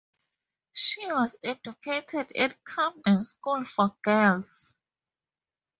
She was educated at Camden School for Girls.